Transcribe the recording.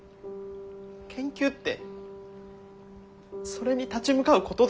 研究ってそれに立ち向かうことですか？